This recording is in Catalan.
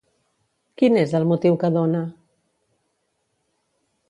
Quin és el motiu que dona?